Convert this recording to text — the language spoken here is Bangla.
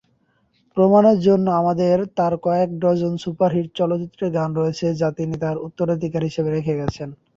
প্রমাণের জন্য, আমাদের তাঁর কয়েক ডজন সুপার-হিট চলচ্চিত্রের গান রয়েছে যা তিনি তাঁর উত্তরাধিকার হিসাবে রেখে গেছেন।